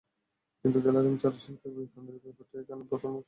কিন্তু গ্যালারি এবং চারুশিল্পের বিপণনের ব্যাপারটি এখনো প্রাথমিক স্তরেই রয়ে গেছে।